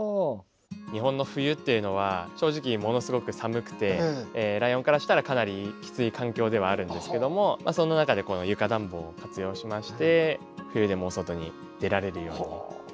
日本の冬っていうのは正直ものすごく寒くてライオンからしたらかなりきつい環境ではあるんですけどもその中でこの床暖房を活用しまして冬でも外に出られるように。